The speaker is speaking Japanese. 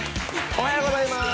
おはようございます。